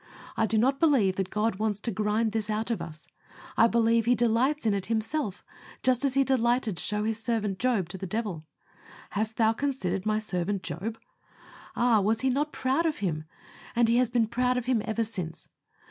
I do not believe that God wants to grind this out of us. I believe He delights in it Himself, just as He delighted to show His servant Job to the devil. "Hast thou considered My servant Job?" Ah! was He not proud of him? and He has been proud of him ever since.